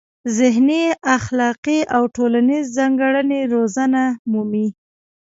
ذهني، اخلاقي او ټولنیزې ځانګړنې روزنه مومي.